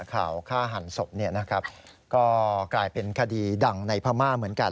ข่าวฆ่าหันศพเนี่ยนะครับก็กลายเป็นคดีดังในพม่าเหมือนกัน